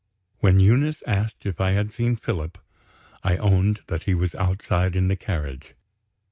When Eunice asked if I had seen Philip, I owned that he was outside in the carriage.